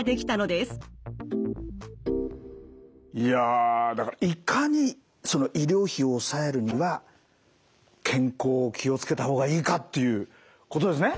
いやだからいかにその医療費を抑えるには健康を気を付けた方がいいかっていうことですね。